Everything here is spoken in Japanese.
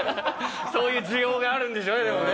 そういう需要があるんでしょうねでもね。